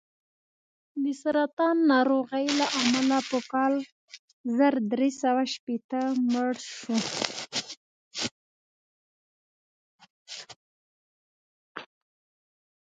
د سرطان ناروغۍ له امله په کال زر درې سوه شپېته مړ شو.